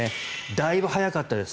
だいぶ早かったです。